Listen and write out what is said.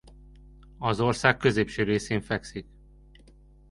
Az ország középső részén fekszik.